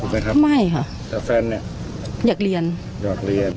หรือเปล่าครับแต่แฟนเนี่ยอยากเรียนไม่ค่ะอยากเรียน